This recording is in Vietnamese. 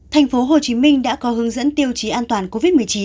thành phố hồ chí minh đã có hướng dẫn tiêu chí an toàn covid một mươi chín